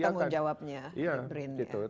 nah ini temuan jawabnya di brin ya